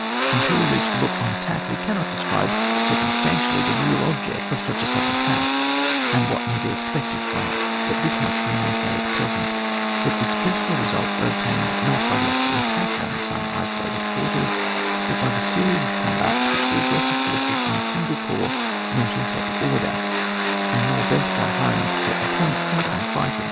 Until we reach the book on attack we cannot describe circumstantially the real object of such a sudden attack and what may be expected from it ; but this much we may say at present, that its principal results are obtained, not by the actual attack on some isolated quarters, but by the series of combats which the aggressor forces on single corps not in proper order, and more bent upon hurrying to certain points than upon fighting.